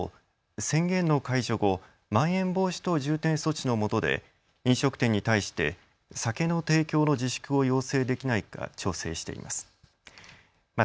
宣言の解除後、まん延防止等重点措置のもとで飲食店に酒の提供の自粛を要請できないか調整しています。